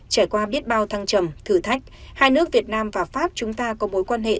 trải qua biết bao thăng trầm thử thách hai nước việt nam và pháp chúng ta có mối quan hệ